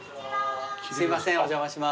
すいませんお邪魔します。